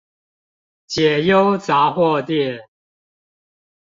解憂雜貨店